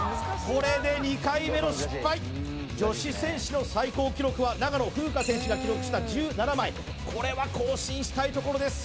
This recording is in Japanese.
これで２回目の失敗女子選手の最高記録は長野風花選手が記録した１７枚これは更新したいところです